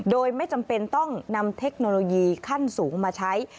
โดยไม่จำเป็นต้องนำเทคโนโลยีขั้นสูงมาใช้